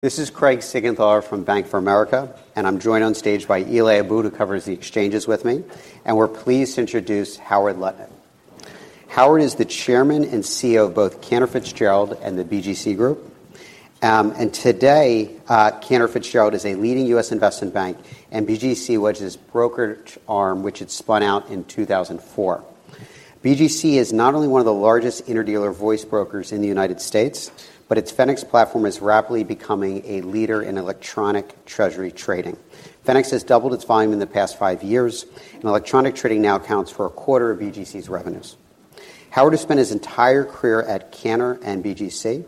This is Craig Siegenthaler from Bank of America, and I'm joined on stage by Eli Abboud who covers the exchanges with me, and we're pleased to introduce Howard Lutnick. Howard is the chairman and CEO of both Cantor Fitzgerald and the BGC Group, and today Cantor Fitzgerald is a leading U.S. investment bank and BGC houses its brokerage arm which it spun out in 2004. BGC is not only one of the largest interdealer voice brokers in the United States, but its Fenics platform is rapidly becoming a leader in electronic treasury trading. Fenics has doubled its volume in the past five years, and electronic trading now accounts for a quarter of BGC's revenues. Howard has spent his entire career at Cantor and BGC.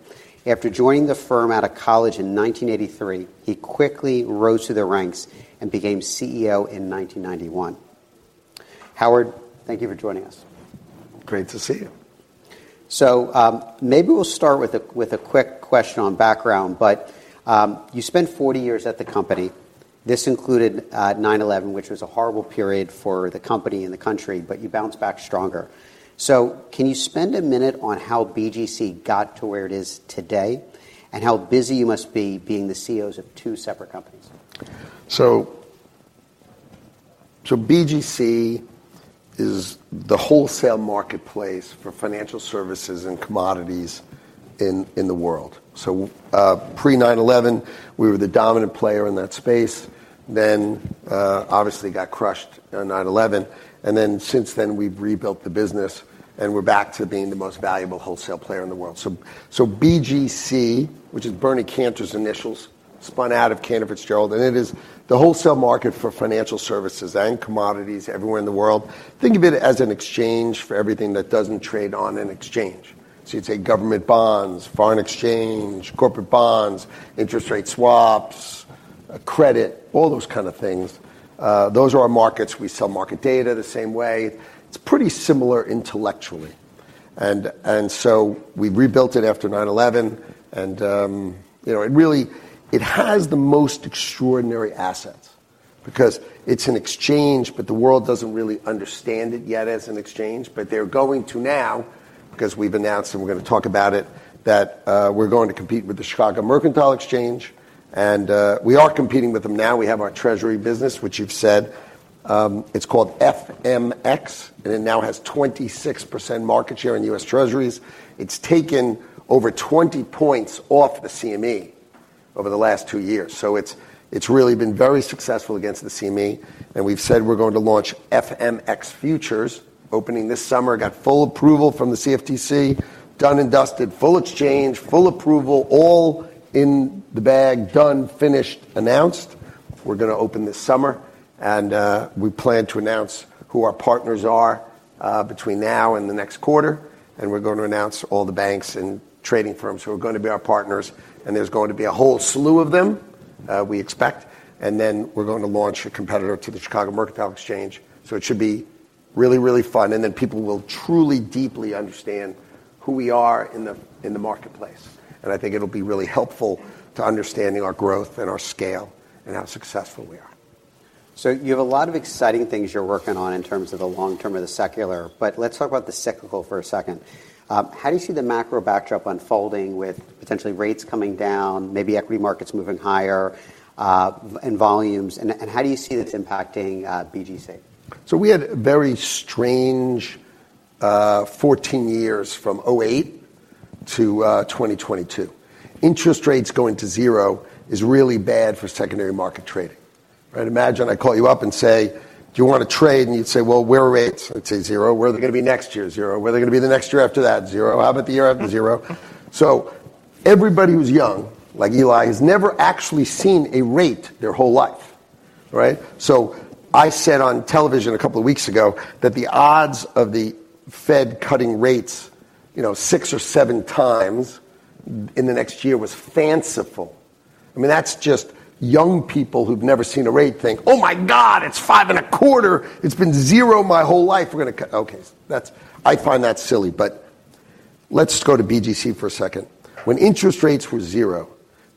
After joining the firm out of college in 1983, he quickly rose through the ranks and became CEO in 1991. Howard, thank you for joining us. Great to see you. Maybe we'll start with a quick question on background, but you spent 40 years at the company. This included 9/11, which was a horrible period for the company and the country, but you bounced back stronger. Can you spend a minute on how BGC got to where it is today and how busy you must be being the CEOs of two separate companies? So BGC is the wholesale marketplace for financial services and commodities in the world. So pre-9/11, we were the dominant player in that space, then obviously got crushed on 9/11, and then since then we've rebuilt the business and we're back to being the most valuable wholesale player in the world. So BGC, which is Bernie Cantor's initials, spun out of Cantor Fitzgerald, and it is the wholesale market for financial services and commodities everywhere in the world. Think of it as an exchange for everything that doesn't trade on an exchange. So you'd say government bonds, foreign exchange, corporate bonds, interest rate swaps, credit, all those kind of things. Those are our markets. We sell market data the same way. It's pretty similar intellectually. And so we rebuilt it after 9/11, and it really has the most extraordinary assets because it's an exchange, but the world doesn't really understand it yet as an exchange. But they're going to now because we've announced and we're going to talk about it that we're going to compete with the Chicago Mercantile Exchange, and we are competing with them now. We have our treasury business which you've said. It's called FMX, and it now has 26% market share in U.S. Treasuries. It's taken over 20 points off the CME over the last two years. So it's really been very successful against the CME, and we've said we're going to launch FMX futures, opening this summer. Got full approval from the CFTC, done and dusted, full exchange, full approval, all in the bag, done, finished, announced. We're going to open this summer, and we plan to announce who our partners are between now and the next quarter, and we're going to announce all the banks and trading firms who are going to be our partners, and there's going to be a whole slew of them, we expect, and then we're going to launch a competitor to the Chicago Mercantile Exchange. So it should be really, really fun, and then people will truly deeply understand who we are in the marketplace, and I think it'll be really helpful to understanding our growth and our scale and how successful we are. So you have a lot of exciting things you're working on in terms of the long term or the secular, but let's talk about the cyclical for a second. How do you see the macro backdrop unfolding with potentially rates coming down, maybe equity markets moving higher in volumes, and how do you see this impacting BGC? So we had very strange 14 years from 2008 to 2022. Interest rates going to zero is really bad for secondary market trading. Imagine I call you up and say, "Do you want to trade?" and you'd say, "Well, where are rates?" I'd say, "Zero." "Where are they going to be next year?" "Zero." "Where are they going to be the next year after that?" "Zero." "How about the year after zero?" So everybody who's young, like Eli, has never actually seen a rate their whole life. So I said on television a couple of weeks ago that the odds of the Fed cutting rates six or seven times in the next year was fanciful. I mean, that's just young people who've never seen a rate think, "Oh my God, it's 5.25. It's been zero my whole life. We're going to cut." Okay, I find that silly, but let's go to BGC for a second. When interest rates were zero,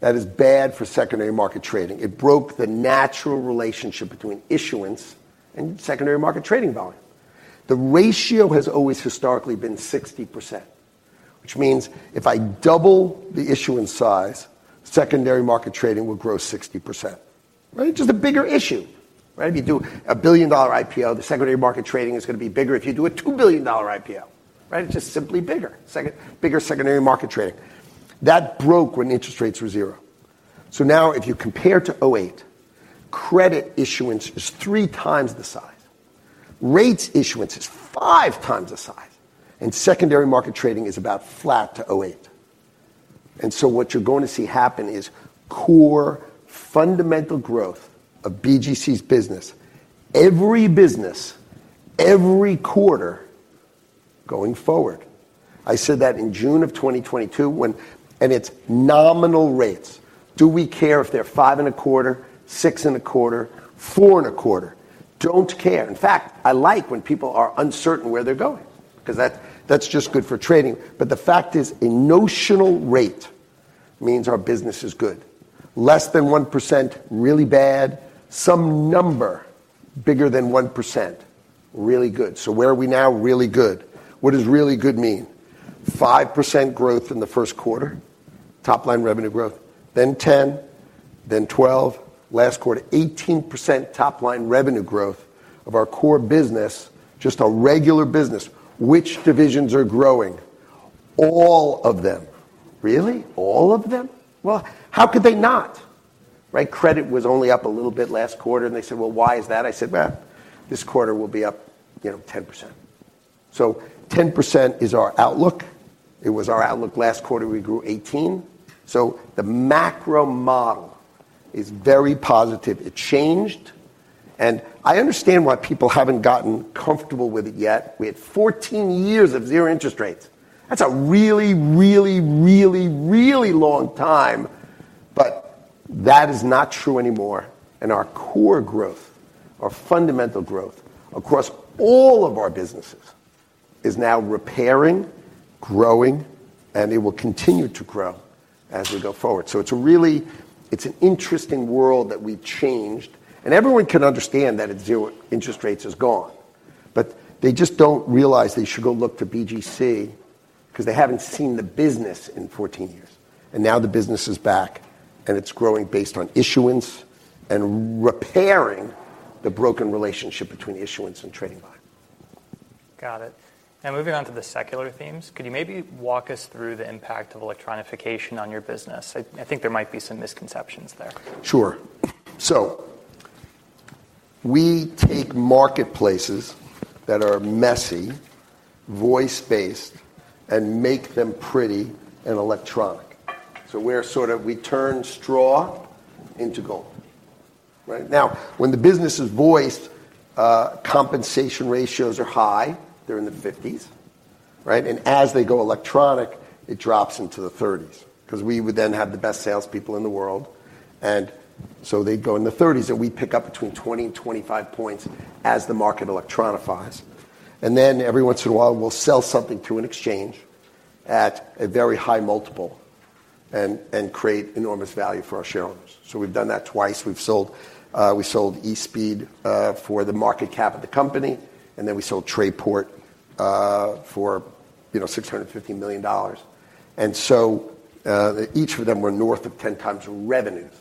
that is bad for secondary market trading. It broke the natural relationship between issuance and secondary market trading volume. The ratio has always historically been 60%, which means if I double the issuance size, secondary market trading will grow 60%. Just a bigger issue. If you do a billion-dollar IPO, the secondary market trading is going to be bigger. If you do a $2 billion IPO, it's just simply bigger, bigger secondary market trading. That broke when interest rates were zero. So now if you compare to 2008, credit issuance is three times the size. Rates issuance is five times the size, and secondary market trading is about flat to 2008. And so what you're going to see happen is core fundamental growth of BGC's business, every business, every quarter going forward. I said that in June of 2022, and it's nominal rates. Do we care if they're 5.25, 6.25, 4.25? Don't care. In fact, I like when people are uncertain where they're going because that's just good for trading. But the fact is, a notional rate means our business is good. Less than 1%, really bad. Some number bigger than 1%, really good. So where are we now? Really good. What does really good mean? 5% growth in the first quarter, top-line revenue growth, then 10%, then 12%, last quarter, 18% top-line revenue growth of our core business, just our regular business. Which divisions are growing? All of them. Really? All of them? Well, how could they not? Credit was only up a little bit last quarter, and they said, "Well, why is that?" I said, "Well, this quarter will be up 10%." So 10% is our outlook. It was our outlook last quarter. We grew 18%. So the macro model is very positive. It changed, and I understand why people haven't gotten comfortable with it yet. We had 14 years of zero interest rates. That's a really, really, really, really long time, but that is not true anymore. And our core growth, our fundamental growth across all of our businesses is now repairing, growing, and it will continue to grow as we go forward. So it's an interesting world that we've changed, and everyone can understand that at zero interest rates is gone, but they just don't realize they should go look to BGC because they haven't seen the business in 14 years, and now the business is back, and it's growing based on issuance and repairing the broken relationship between issuance and trading volume. Got it. Moving on to the secular themes, could you maybe walk us through the impact of electronification on your business? I think there might be some misconceptions there. Sure. So we take marketplaces that are messy, voice-based, and make them pretty and electronic. So we turn straw into gold. Now, when the business is voiced, compensation ratios are high. They're in the 50s, and as they go electronic, it drops into the 30s because we would then have the best salespeople in the world, and so they'd go in the 30s, and we pick up between 20 and 25 points as the market electronifies. And then every once in a while, we'll sell something to an exchange at a very high multiple and create enormous value for our shareholders. So we've done that twice. We sold eSpeed for the market cap of the company, and then we sold Trayport for $650 million. And so each of them were north of 10x revenues,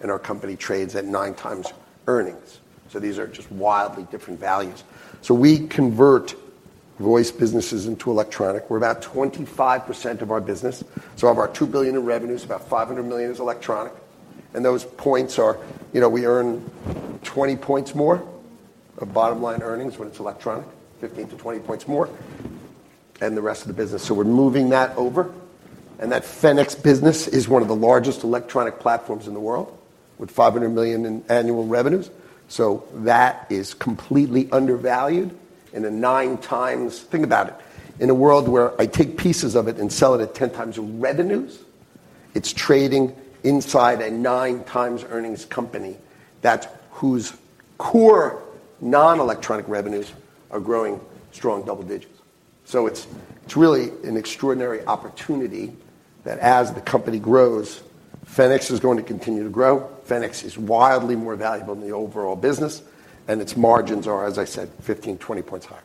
and our company trades at 9x earnings. So these are just wildly different values. So we convert voice businesses into electronic. We're about 25% of our business. So of our $2 billion in revenues, about $500 million is electronic, and those points are we earn 20 points more of bottom-line earnings when it's electronic, 15-20 points more, and the rest of the business. So we're moving that over, and that Fenics business is one of the largest electronic platforms in the world with $500 million in annual revenues. So that is completely undervalued in a nine times think about it. In a world where I take pieces of it and sell it at 10 times revenues, it's trading inside a nine times earnings company whose core non-electronic revenues are growing strong double digits. So it's really an extraordinary opportunity that as the company grows, Fenics is going to continue to grow. Fenics is wildly more valuable in the overall business, and its margins are, as I said, 15-20 points higher.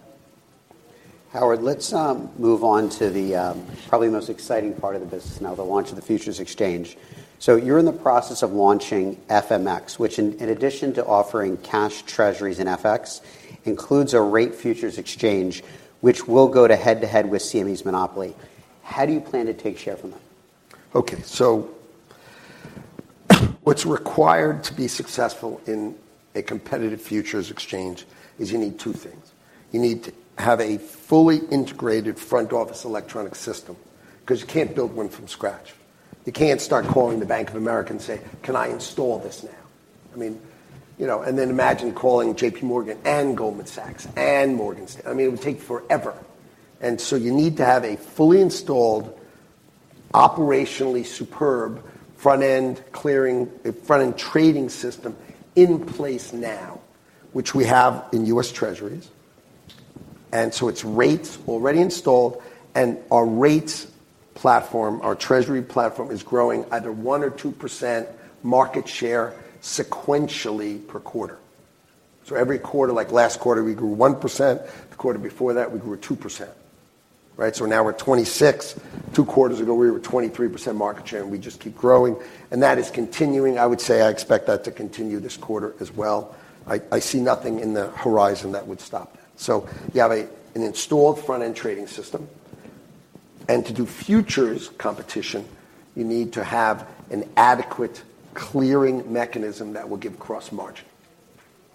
Howard, let's move on to the probably most exciting part of the business now, the launch of the futures exchange. So you're in the process of launching FMX which, in addition to offering cash treasuries and FX, includes a rate futures exchange which will go to head-to-head with CME's monopoly. How do you plan to take share from that? Okay. So what's required to be successful in a competitive futures exchange is you need two things. You need to have a fully integrated front-office electronic system because you can't build one from scratch. You can't start calling the Bank of America and say, "Can I install this now?" And then imagine calling J.P. Morgan and Goldman Sachs and Morgan Stanley. I mean, it would take forever. And so you need to have a fully installed, operationally superb front-end trading system in place now which we have in U.S. Treasuries. And so it's rates already installed, and our rates platform, our Treasury platform, is growing either 1% or 2% market share sequentially per quarter. So every quarter, like last quarter, we grew 1%. The quarter before that, we grew 2%. So now we're 26%. Two quarters ago, we were 23% market share, and we just keep growing, and that is continuing. I would say I expect that to continue this quarter as well. I see nothing in the horizon that would stop that. So you have an installed front-end trading system, and to do futures competition, you need to have an adequate clearing mechanism that will give cross margin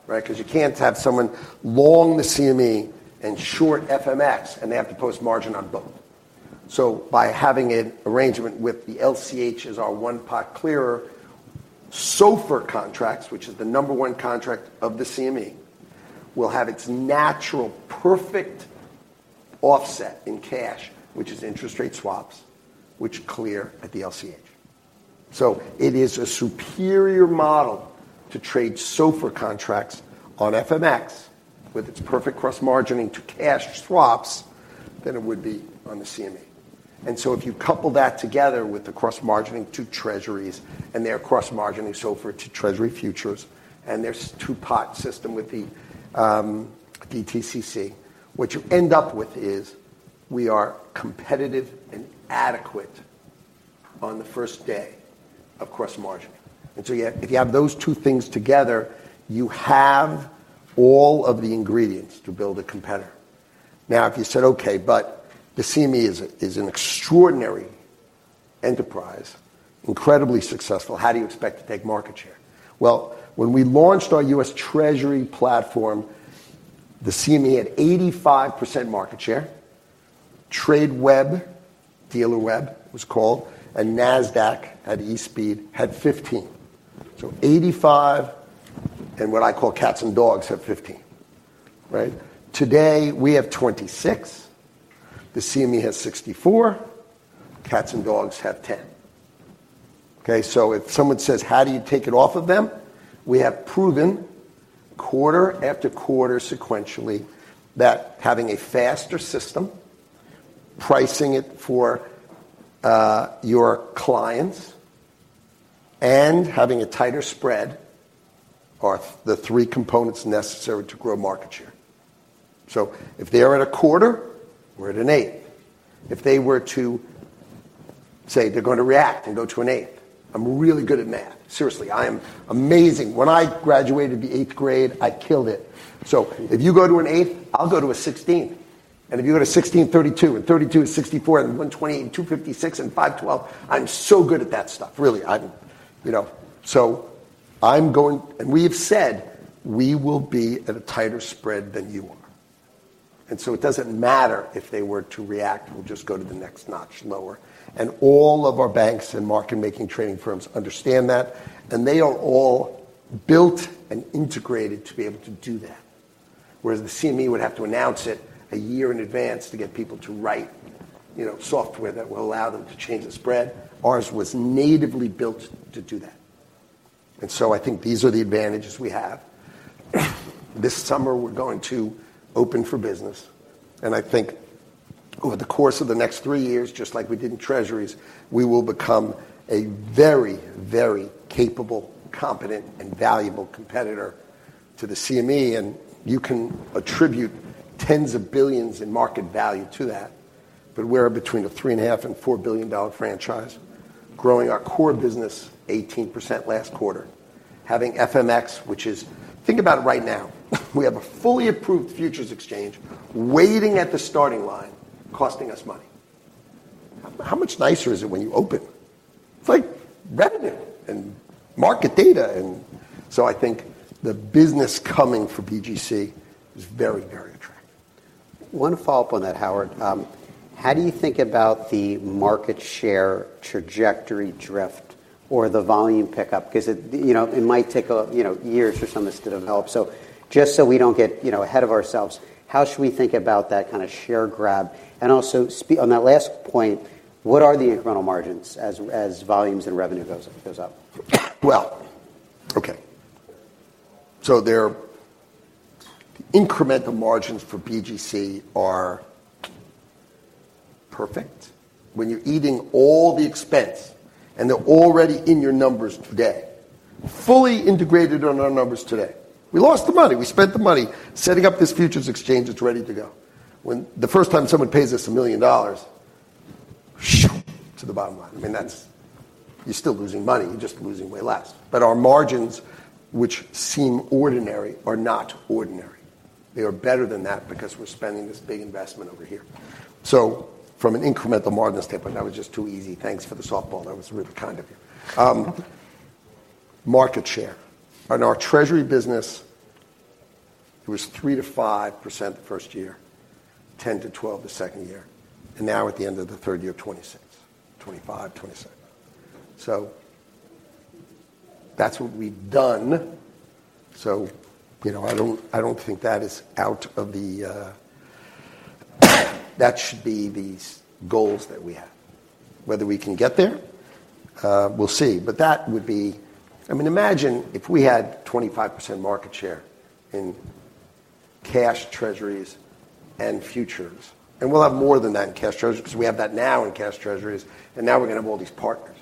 because you can't have someone long the CME and short FMX, and they have to post margin on both. So by having an arrangement with the LCH as our one-pot clearer, SOFR contracts, which is the number one contract of the CME, will have its natural perfect offset in cash, which is interest rate swaps, which clear at the LCH. So it is a superior model to trade SOFR contracts on FMX with its perfect cross margining to cash swaps than it would be on the CME. And so if you couple that together with the cross margining to treasuries and their cross margining SOFR to treasury futures and their two-pot system with the DTCC, what you end up with is we are competitive and adequate on the first day of cross margining. And so if you have those two things together, you have all of the ingredients to build a competitor. Now, if you said, "Okay, but the CME is an extraordinary enterprise, incredibly successful, how do you expect to take market share?" Well, when we launched our U.S. Treasury platform, the CME had 85% market share. Tradeweb, Dealerweb was called, and Nasdaq had eSpeed, had 15%. So 85%, and what I call cats and dogs have 15%. Today, we have 26. The CME has 64. Cats and dogs have 10. So if someone says, "How do you take it off of them?" We have proven quarter after quarter sequentially that having a faster system, pricing it for your clients, and having a tighter spread are the three components necessary to grow market share. So if they're at a quarter, we're at an eighth. If they were to say they're going to react and go to an eighth, I'm really good at math. Seriously, I am amazing. When I graduated the eighth grade, I killed it. So if you go to an eighth, I'll go to a 16th. And if you go to 16, 32, and 32 is 64, and 128, 256, and 512, I'm so good at that stuff, really. So I'm going and we have said we will be at a tighter spread than you are. And so it doesn't matter if they were to react. We'll just go to the next notch lower. And all of our banks and market-making trading firms understand that, and they are all built and integrated to be able to do that, whereas the CME would have to announce it a year in advance to get people to write software that will allow them to change the spread. Ours was natively built to do that. And so I think these are the advantages we have. This summer, we're going to open for business, and I think over the course of the next three years, just like we did in treasuries, we will become a very, very capable, competent, and valuable competitor to the CME, and you can attribute $10s of billions in market value to that. But we're between a $3.5 billion -$4 billion franchise, growing our core business 18% last quarter, having FMX, which is, think about it, right now. We have a fully approved futures exchange waiting at the starting line, costing us money. How much nicer is it when you open? It's like revenue and market data. And so I think the business coming for BGC is very, very attractive. I want to follow up on that, Howard. How do you think about the market share trajectory drift or the volume pickup? Because it might take years for some of this to develop. So just so we don't get ahead of ourselves, how should we think about that kind of share grab? And also, on that last point, what are the incremental margins as volumes and revenue goes up? Well, okay. So the incremental margins for BGC are perfect. When you're eating all the expense, and they're already in your numbers today, fully integrated on our numbers today, we lost the money. We spent the money setting up this futures exchange. It's ready to go. The first time someone pays us $1 million, shoo to the bottom line. I mean, you're still losing money. You're just losing way less. But our margins, which seem ordinary, are not ordinary. They are better than that because we're spending this big investment over here. So from an incremental margins standpoint, that was just too easy. Thanks for the softball. That was really kind of you. Market share. In our treasury business, it was 3%-5% the first year, 10%-12% the second year, and now at the end of the third year, 26, 25, 27. So that's what we've done. So I don't think that is out of the question that should be the goals that we have. Whether we can get there, we'll see. But that would be—I mean, imagine if we had 25% market share in cash treasuries and futures, and we'll have more than that in cash treasuries because we have that now in cash treasuries, and now we're going to have all these partners.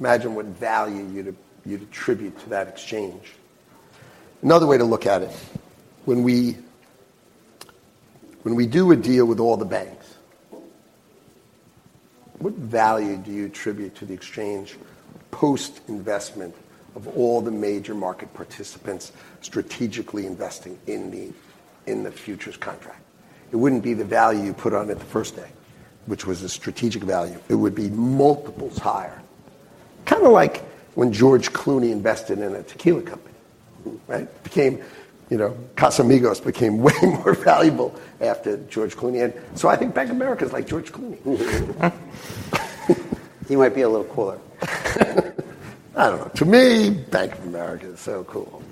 Imagine what value you'd attribute to that exchange. Another way to look at it, when we do a deal with all the banks, what value do you attribute to the exchange post-investment of all the major market participants strategically investing in the futures contract? It wouldn't be the value you put on it the first day, which was the strategic value. It would be multiples higher, kind of like when George Clooney invested in a tequila company. Casamigos became way more valuable after George Clooney. So I think Bank of America is like George Clooney. He might be a little cooler. I don't know. To me, Bank of America is so cool.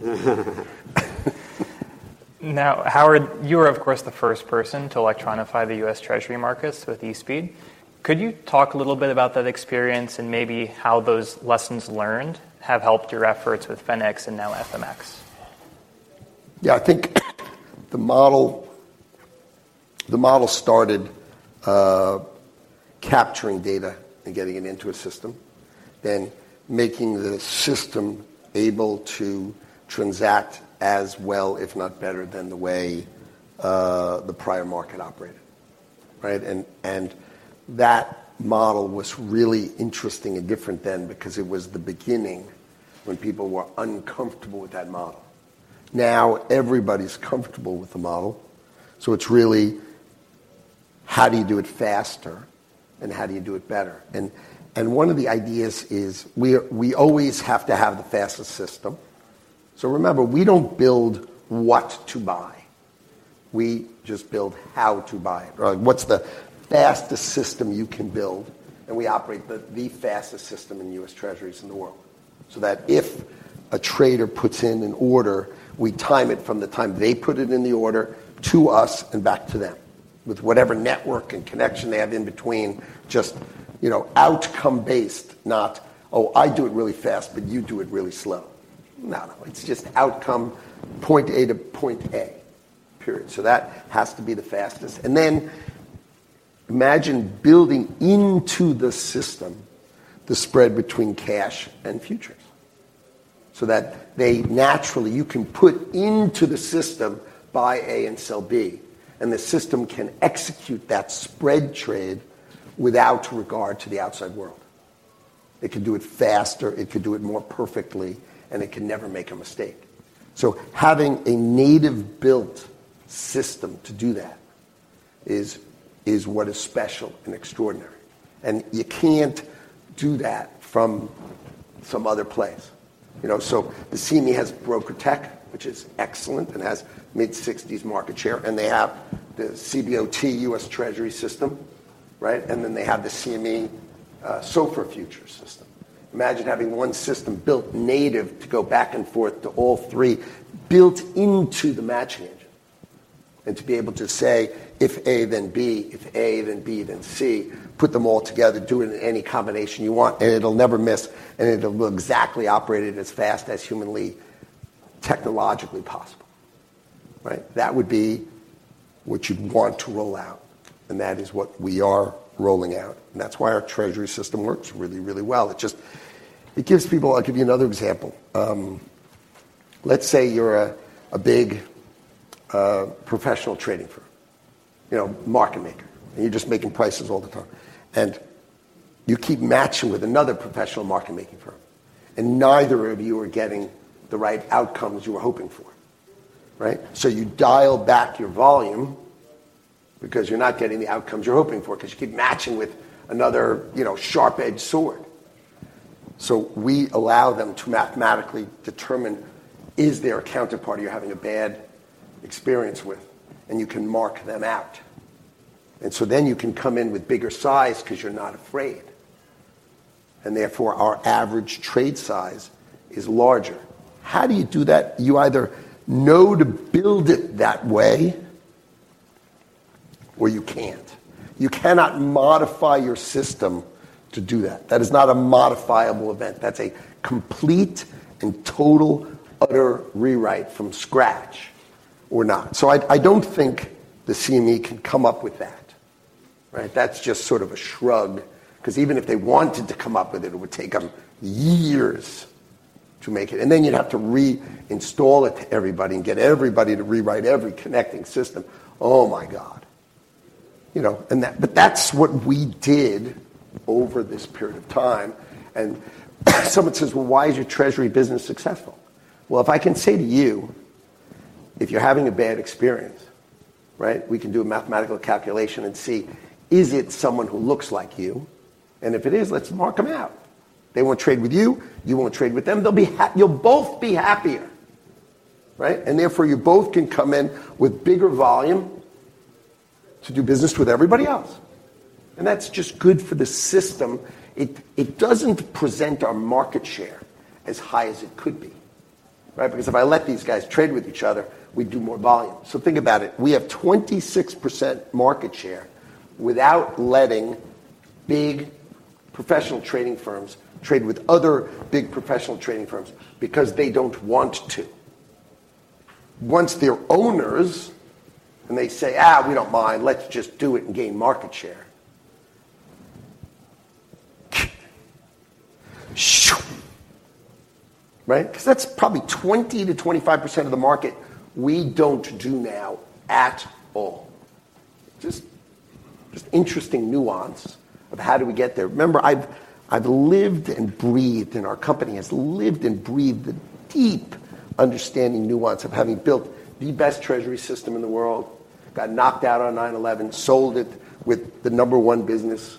Now, Howard, you are, of course, the first person to electronify the U.S. Treasury markets with eSpeed. Could you talk a little bit about that experience and maybe how those lessons learned have helped your efforts with Fenics and now FMX? Yeah. I think the model started capturing data and getting it into a system, then making the system able to transact as well, if not better, than the way the prior market operated. And that model was really interesting and different then because it was the beginning when people were uncomfortable with that model. Now, everybody's comfortable with the model. So it's really how do you do it faster, and how do you do it better? And one of the ideas is we always have to have the fastest system. So remember, we don't build what to buy. We just build how to buy it, or what's the fastest system you can build, and we operate the fastest system in U.S. Treasuries in the world so that if a trader puts in an order, we time it from the time they put it in the order to us and back to them with whatever network and connection they have in between, just outcome-based, not, "Oh, I do it really fast, but you do it really slow." No, no. It's just outcome point A to point A, period. So that has to be the fastest. And then imagine building into the system the spread between cash and futures so that naturally, you can put into the system buy A and sell B, and the system can execute that spread trade without regard to the outside world. It can do it faster. It could do it more perfectly, and it can never make a mistake. So having a native-built system to do that is what is special and extraordinary. You can't do that from some other place. The CME has BrokerTec, which is excellent and has mid-60s market share, and they have the CBOT U.S. Treasury system, and then they have the CME SOFR futures system. Imagine having one system built native to go back and forth to all three built into the matching engine and to be able to say if A, then B, if A, then B, then C, put them all together, do it in any combination you want, and it'll never miss, and it'll exactly operate at as fast as humanly technologically possible. That would be what you'd want to roll out, and that is what we are rolling out. And that's why our treasury system works really, really well. It gives people. I'll give you another example. Let's say you're a big professional trading firm, market maker, and you're just making prices all the time, and you keep matching with another professional market-making firm, and neither of you are getting the right outcomes you were hoping for. So you dial back your volume because you're not getting the outcomes you're hoping for because you keep matching with another sharp-edged sword. So we allow them to mathematically determine, "Is there a counterpart you're having a bad experience with?" And you can mark them out. And so then you can come in with bigger size because you're not afraid, and therefore, our average trade size is larger. How do you do that? You either know to build it that way, or you can't. You cannot modify your system to do that. That is not a modifiable event. That's a complete and total utter rewrite from scratch or not. So I don't think the CME can come up with that. That's just sort of a shrug because even if they wanted to come up with it, it would take them years to make it. And then you'd have to reinstall it to everybody and get everybody to rewrite every connecting system. Oh my God. But that's what we did over this period of time. And someone says, "Well, why is your treasury business successful?" Well, if I can say to you, "If you're having a bad experience, we can do a mathematical calculation and see, is it someone who looks like you? And if it is, let's mark them out. They won't trade with you. You won't trade with them. You'll both be happier." And therefore, you both can come in with bigger volume to do business with everybody else. And that's just good for the system. It doesn't present our market share as high as it could be because if I let these guys trade with each other, we'd do more volume. So think about it. We have 26% market share without letting big professional trading firms trade with other big professional trading firms because they don't want to. Once they're owners and they say, "We don't mind. Let's just do it and gain market share," because that's probably 20%-25% of the market we don't do now at all. Just interesting nuance of how do we get there. Remember, I've lived and breathed and our company has lived and breathed the deep understanding nuance of having built the best treasury system in the world, got knocked out on 9/11, sold it with the number one business,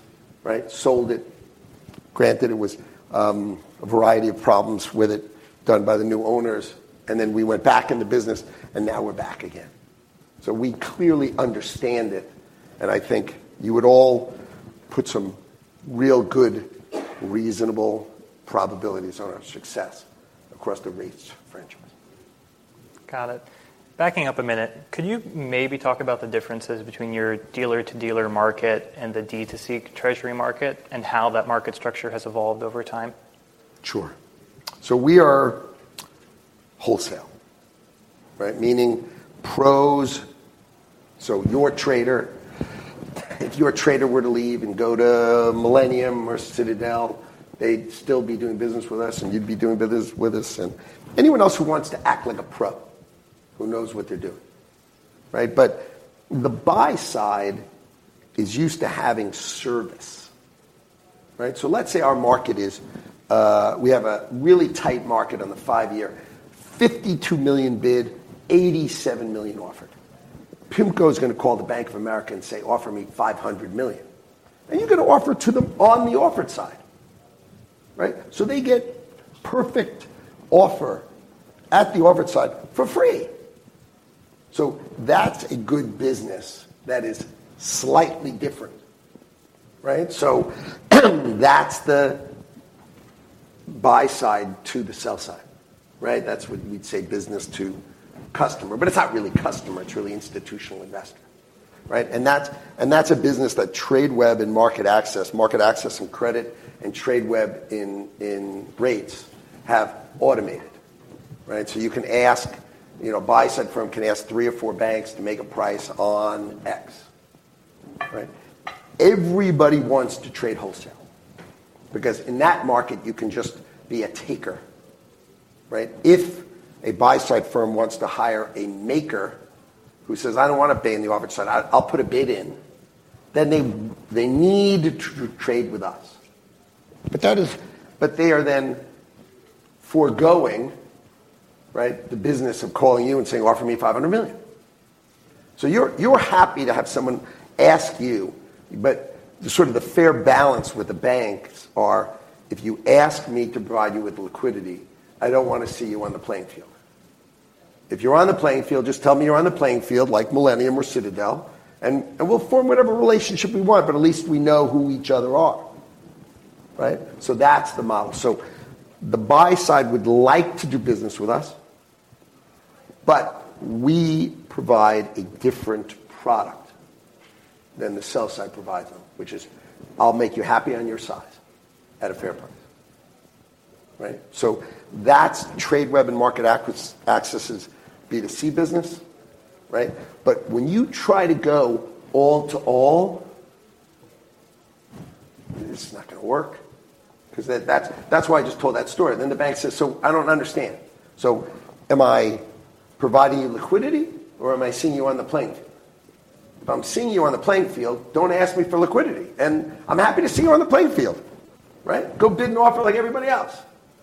sold it. Granted, it was a variety of problems with it done by the new owners, and then we went back into business, and now we're back again. So we clearly understand it, and I think you would all put some real good, reasonable probabilities on our success across the REITs franchise. Got it. Backing up a minute, could you maybe talk about the differences between your dealer-to-dealer market and the D2C treasury market and how that market structure has evolved over time? Sure. So we are wholesale, meaning pros. So if your trader were to leave and go to Millennium or Citadel, they'd still be doing business with us, and you'd be doing business with us and anyone else who wants to act like a pro who knows what they're doing. But the buy side is used to having service. So let's say our market is we have a really tight market on the five-year, $52 million bid, $87 million offered. PIMCO is going to call the Bank of America and say, "Offer me $500 million." And you're going to offer to them on the offered side. So they get perfect offer at the offered side for free. So that's a good business that is slightly different. So that's the buy side to the sell side. That's what we'd say business to customer. But it's not really customer. It's really institutional investor. And that's a business that Tradeweb and MarketAxess, MarketAxess and Credit, and Tradeweb in REITs have automated. So you can ask a buy-side firm can ask three or four banks to make a price on X. Everybody wants to trade wholesale because in that market, you can just be a taker. If a buy-side firm wants to hire a maker who says, "I don't want to pay on the offered side. I'll put a bid in," then they need to trade with us. But they are then forgoing the business of calling you and saying, "Offer me $500 million." So you're happy to have someone ask you, but sort of the fair balance with the banks are, "If you ask me to provide you with liquidity, I don't want to see you on the playing field. If you're on the playing field, just tell me you're on the playing field like Millennium or Citadel, and we'll form whatever relationship we want, but at least we know who each other are." So that's the model. So the buy side would like to do business with us, but we provide a different product than the sell side provides them, which is, "I'll make you happy on your size at a fair price." So that's Tradeweb and MarketAxess's B2C business. But when you try to go all to all, it's not going to work because that's why I just told that story. Then the bank says, "So I don't understand. So am I providing you liquidity, or am I seeing you on the playing field? If I'm seeing you on the playing field, don't ask me for liquidity. And I'm happy to see you on the playing field. Go bid and offer like everybody else,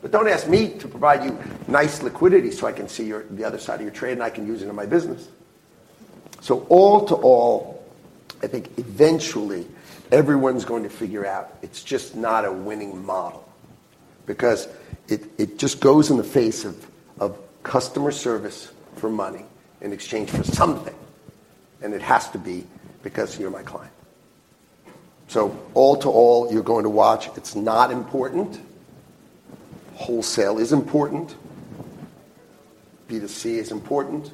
but don't ask me to provide you nice liquidity so I can see the other side of your trade, and I can use it in my business." So all-to-all, I think eventually, everyone's going to figure out it's just not a winning model because it just goes in the face of customer service for money in exchange for something. And it has to be because you're my client. So all-to-all, you're going to watch. It's not important. Wholesale is important. B2C is important.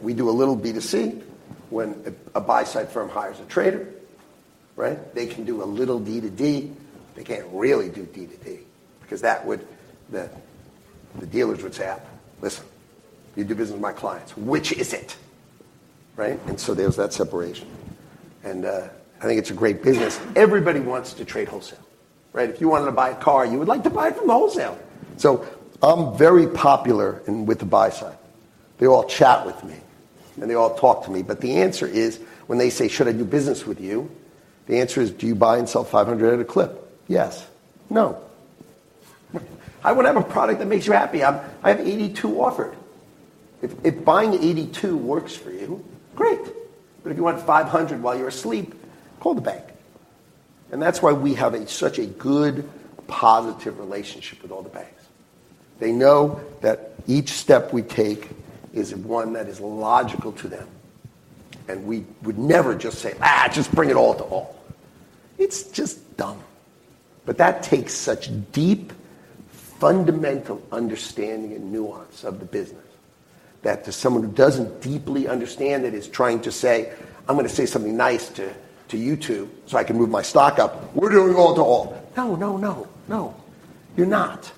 We do a little B2C when a buy-side firm hires a trader. They can do a little D2D. They can't really do D2D because the dealers would say, "Listen, you do business with my clients. Which is it?" And so there's that separation. And I think it's a great business. Everybody wants to trade wholesale. If you wanted to buy a car, you would like to buy it from the wholesale. So I'm very popular with the buy side. They all chat with me, and they all talk to me. But the answer is, when they say, "Should I do business with you?" The answer is, "Do you buy and sell 500 at a clip?" Yes. No. I want to have a product that makes you happy. I have 82 offered. If buying 82 works for you, great. But if you want 500 while you're asleep, call the bank. And that's why we have such a good, positive relationship with all the banks. They know that each step we take is one that is logical to them. And we would never just say, just bring it all to all. It's just dumb. But that takes such deep, fundamental understanding and nuance of the business that to someone who doesn't deeply understand it is trying to say, "I'm going to say something nice to you two so I can move my stock up. We're doing all to all." No, no, no, no. You're not.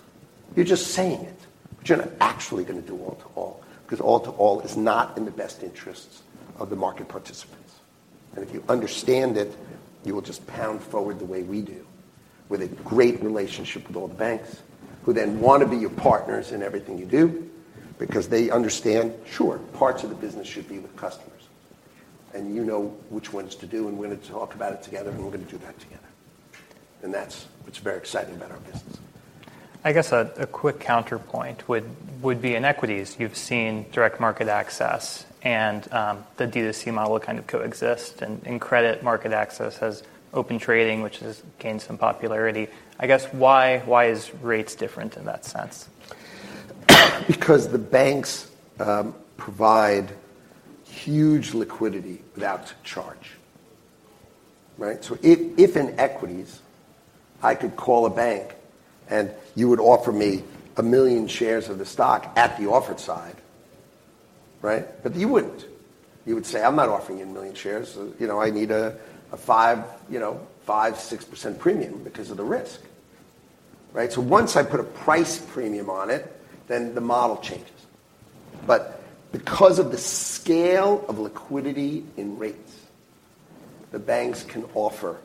You're just saying it, but you're not actually going to do all to all because all to all is not in the best interests of the market participants. If you understand it, you will just pound forward the way we do with a great relationship with all the banks who then want to be your partners in everything you do because they understand, "Sure, parts of the business should be with customers, and you know which ones to do, and we're going to talk about it together, and we're going to do that together." That's what's very exciting about our business. I guess a quick counterpoint would be in equities. You've seen Direct Market Access and the D2C model kind of coexist, and MarketAxess has Open Trading, which has gained some popularity. I guess why is REITs different in that sense? Because the banks provide huge liquidity without charge. So if in equities, I could call a bank, and you would offer me 1 million shares of the stock at the offered side, but you wouldn't. You would say, "I'm not offering you 1 million shares. I need a 5%-6% premium because of the risk." So once I put a price premium on it, then the model changes. But because of the scale of liquidity in REITs, the banks can offer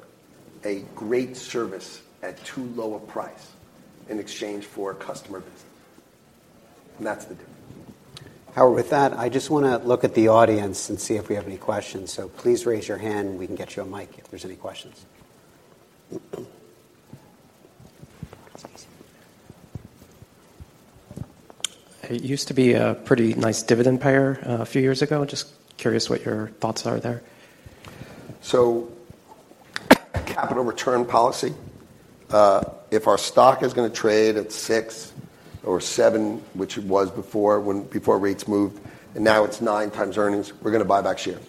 a great service at too low a price in exchange for customer business. And that's the difference. Howard, with that, I just want to look at the audience and see if we have any questions. So please raise your hand. We can get you a mic if there's any questions. It used to be a pretty nice dividend payer a few years ago. Just curious what your thoughts are there? So, capital return policy. If our stock is going to trade at six or seven, which it was before REITs moved, and now it's 9x earnings, we're going to buy back shares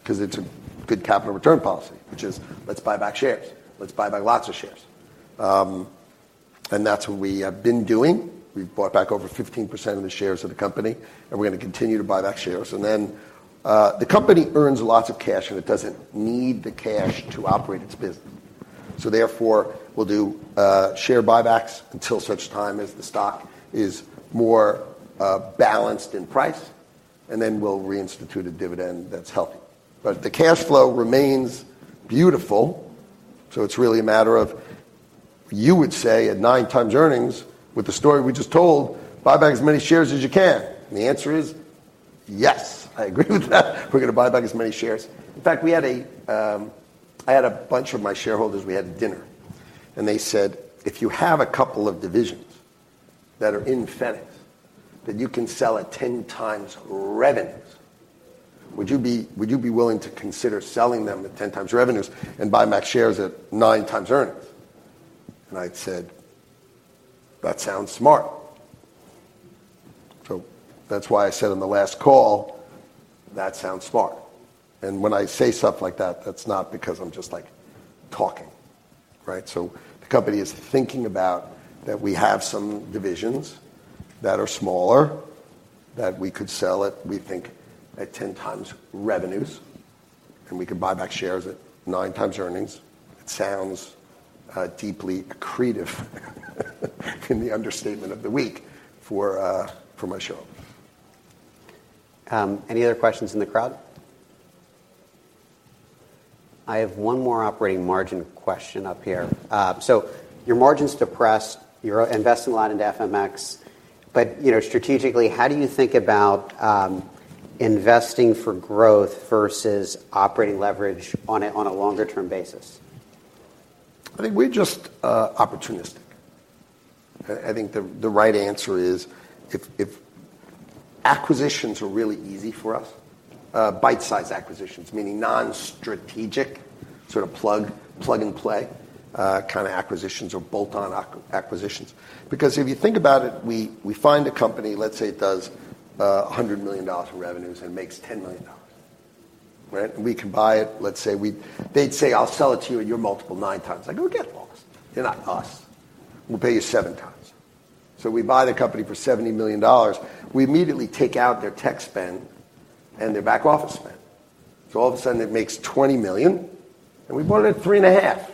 because it's a good capital return policy, which is, "Let's buy back shares. Let's buy back lots of shares." And that's what we have been doing. We've bought back over 15% of the shares of the company, and we're going to continue to buy back shares. And then the company earns lots of cash, and it doesn't need the cash to operate its business. So therefore, we'll do share buybacks until such time as the stock is more balanced in price, and then we'll reinstitute a dividend that's healthy. But the cash flow remains beautiful. So it's really a matter of you would say, "At 9x earnings, with the story we just told, buy back as many shares as you can." And the answer is, "Yes. I agree with that. We're going to buy back as many shares." In fact, I had a bunch of my shareholders we had at dinner, and they said, "If you have a couple of divisions that are in Fenics that you can sell at 10x revenues, would you be willing to consider selling them at 10x revenues and buy back shares at 9x earnings?" And I'd said, "That sounds smart." So that's why I said on the last call, "That sounds smart." And when I say stuff like that, that's not because I'm just talking. The company is thinking about that we have some divisions that are smaller that we could sell at, we think, at 10x revenues, and we could buy back shares at 9x earnings. It sounds deeply accretive in the understatement of the week for my show. Any other questions in the crowd? I have one more operating margin question up here. So your margin's depressed. You're investing a lot into FMX. But strategically, how do you think about investing for growth versus operating leverage on a longer-term basis? I think we're just opportunistic. I think the right answer is if acquisitions are really easy for us, bite-size acquisitions, meaning non-strategic sort of plug-and-play kind of acquisitions or bolt-on acquisitions. Because if you think about it, we find a company, let's say it does $100 million in revenues and makes $10 million. And we can buy it, let's say they'd say, "I'll sell it to you, and you're multiple 9x." I go, "Get lost. You're not us. We'll pay you 7x." So we buy the company for $70 million. We immediately take out their tech spend and their back-office spend. So all of a sudden, it makes $20 million, and we bought it at 3.5.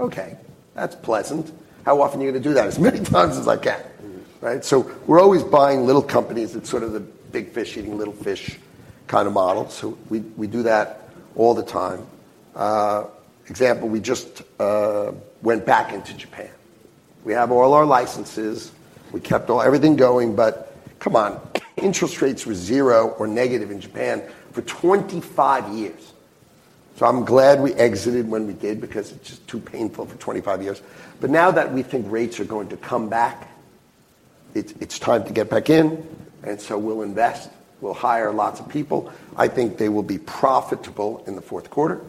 Okay. That's pleasant. How often are you going to do that? As many times as I can. So we're always buying little companies. It's sort of the big fish eating little fish kind of model. So we do that all the time. Example, we just went back into Japan. We have all our licenses. We kept everything going. But come on. Interest rates were zero or negative in Japan for 25 years. So I'm glad we exited when we did because it's just too painful for 25 years. But now that we think REITs are going to come back, it's time to get back in. And so we'll invest. We'll hire lots of people. I think they will be profitable in the fourth quarter.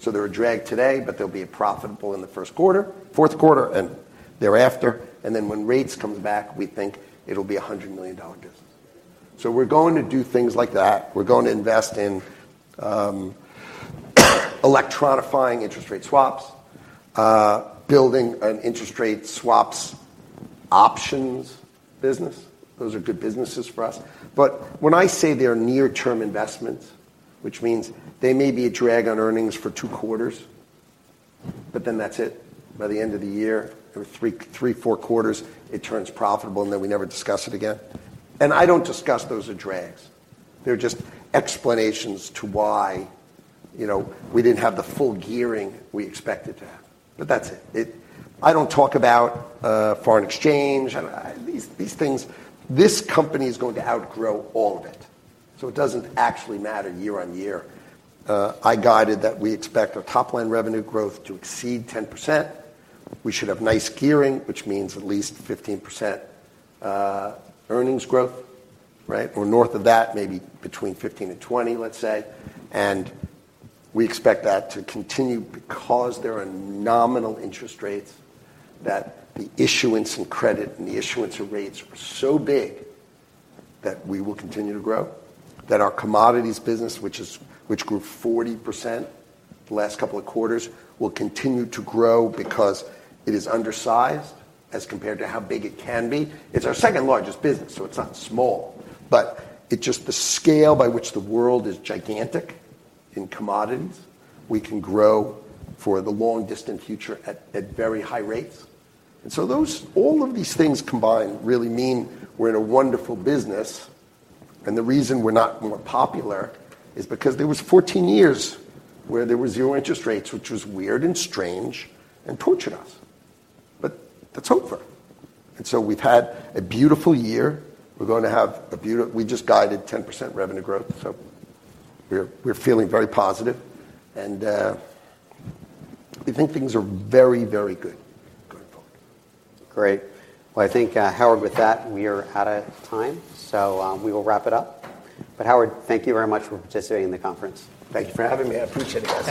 So they're a drag today, but they'll be profitable in the first quarter, fourth quarter, and thereafter. And then when REITs come back, we think it'll be a $100 million business. So we're going to do things like that. We're going to invest in electronifying interest rate swaps, building an interest rate swaps options business. Those are good businesses for us. But when I say they're near-term investments, which means they may be a drag on earnings for two quarters, but then that's it. By the end of the year or three, four quarters, it turns profitable, and then we never discuss it again. I don't discuss those as drags. They're just explanations to why we didn't have the full gearing we expected to have. But that's it. I don't talk about foreign exchange. These things, this company is going to outgrow all of it. So it doesn't actually matter year-over-year. I guided that we expect our top-line revenue growth to exceed 10%. We should have nice gearing, which means at least 15% earnings growth or north of that, maybe between 15%-20%, let's say. And we expect that to continue because there are nominal interest rates that the issuance and credit and the issuance of rates are so big that we will continue to grow, that our commodities business, which grew 40% the last couple of quarters, will continue to grow because it is undersized as compared to how big it can be. It's our second largest business, so it's not small. But it's just the scale by which the world is gigantic in commodities. We can grow for the long-distant future at very high rates. And so all of these things combined really mean we're in a wonderful business. The reason we're not more popular is because there was 14 years where there were zero interest rates, which was weird and strange and tortured us. But that's hope for it. And so we've had a beautiful year. We're going to have a beautiful we just guided 10% revenue growth. So we're feeling very positive. And we think things are very, very good going forward. Great. Well, I think, Howard, with that, we are out of time. We will wrap it up. Howard, thank you very much for participating in the conference. Thank you for having me. I appreciate it.